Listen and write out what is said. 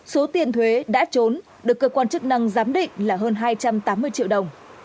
số tiền thuế đã trốn được cơ quan chức năng giám định là hơn hai trăm tám mươi triệu đồng